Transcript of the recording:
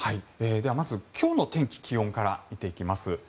まず今日の天気、気温から見ていきます。